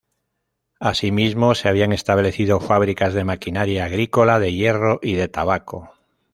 Asimismo, se habían establecido fábricas de maquinaria agrícola, de hierro y de tabaco.